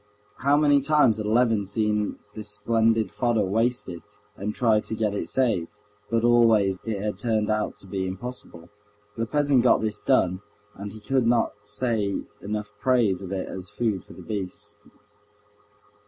How many times had Levin seen this splendid fodder wasted, and tried to get it saved; but always it had turned out to be impossible. The peasant got this done, and he could not say enough in praise of it as food for the beasts.